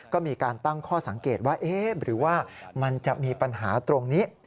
ก็มีการตั้งข้อสังเกตว่าเอ๊ะหรือว่ามันจะมีปัญหาตรงนี้